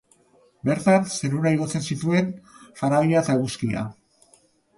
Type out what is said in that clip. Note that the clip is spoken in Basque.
Bertan, zerura igotzen zituen faraoia eta Eguzkia.